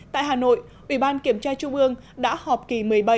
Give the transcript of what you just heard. tại hà nội ủy ban kiểm tra trung ương đã họp kỳ một mươi bảy